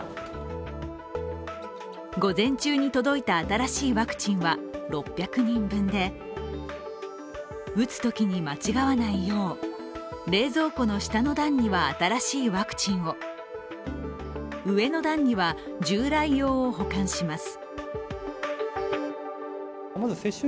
午前中に届いた新しいワクチンは６００人分で打つときに間違わないよう冷蔵庫の下の段には新しいワクチンを上の段には従来用を保管します。